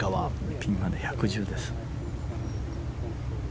ピンまで１１０です。